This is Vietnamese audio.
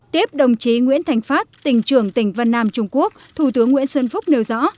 tiếp đồng chí nguyễn thành phát tỉnh trưởng tỉnh vân nam trung quốc thủ tướng nguyễn xuân phúc nêu rõ